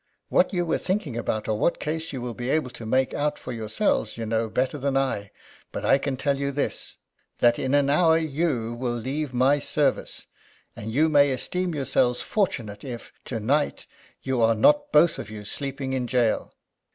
What you were thinking about, or what case you will be able to make out for yourselves, you know better than I; but I can tell you this that in an hour you will leave my service, and you may esteem yourselves fortunate if, to night, you are not both of you sleeping in gaol.